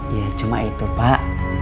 ya cuma itu pak